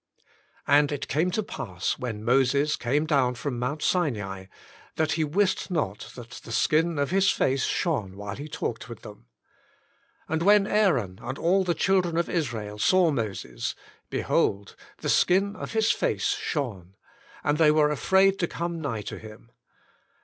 And it came to pass when Moses came down from Mount Sinai, that he wist not that the skin of his face shone while he talked with them. And when Aaron and all the children of Israel saw Moses, behold, the skin of his face shone ; and they were afraid to come nigh to him.